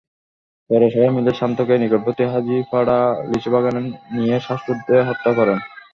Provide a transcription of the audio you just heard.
পরে সবাই মিলে শান্তকে নিকটবর্তী হাজীপাড়া লিচুবাগানে নিয়ে শ্বাসরোধে হত্যা করেন।